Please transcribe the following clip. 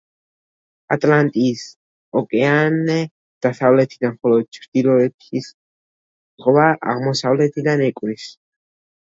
ატლანტის ოკეანე დასავლეთიდან, ხოლო ჩრდილოეთის ზღვა აღმოსავლეთიდან ეკვრის.